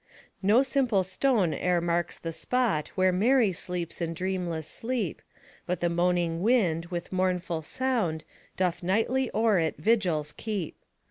No simple stone e'er marks the spot Where Mary sleeps in dreamless sleep, 222 NABBATIVE OF CAPTIVITY But the moaning wind, with mournful sound, Doth nightly o'er it vigils keep.